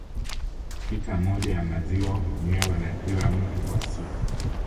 Lita moja ya maziwa hunywewa na kila mtu kwa siku